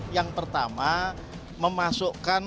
yang pertama memasukkan